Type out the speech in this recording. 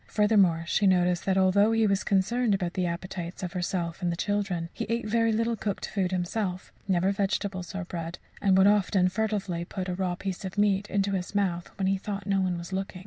Furthermore, she noticed that although he was concerned about the appetites of herself and the children, he ate very little cooked food himself never vegetables or bread and would often furtively put a raw piece of meat into his mouth when he thought no one was looking.